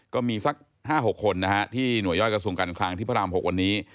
ก็มีสัก๕๖คนนะฮะที่หน่วยย่อยกระทรวงการคลังที่พระราม๖วันนี้